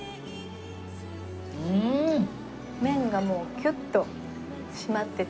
麺がもうキュッと締まってて。